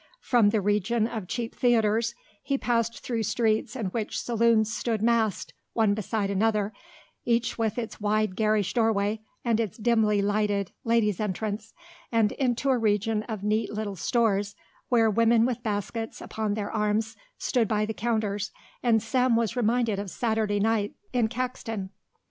From the region of cheap theatres he passed through streets in which saloons stood massed, one beside another, each with its wide garish doorway and its dimly lighted "Ladies' Entrance," and into a region of neat little stores where women with baskets upon their arms stood by the counters and Sam was reminded of Saturday nights in Caxton.